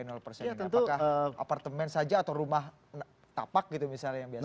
apakah apartemen saja atau rumah tapak gitu misalnya yang biasa